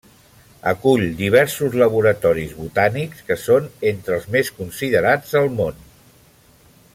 Acull diversos laboratoris botànics que són entre els més considerats al món.